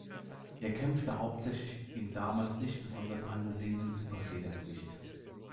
Er kämpfte hauptsächlich im damals nicht besonders angesehenen Superfedergewicht.